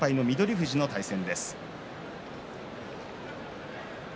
富士の対戦です。